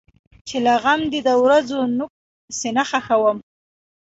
چې له غم دی د ورځو نوک په سینه خښوم.